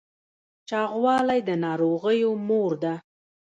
چاغوالی د ناروغیو مور ده